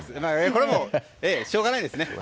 これはしょうがないですね。